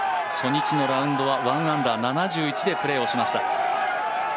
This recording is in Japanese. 初日のラウンドは１アンダー７１でプレーをしました。